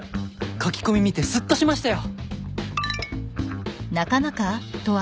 「書き込み見てスッとしましたよ」